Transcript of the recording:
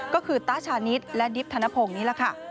ก็คือตาชานิดและดิบธนพงศ์นี่แหละค่ะ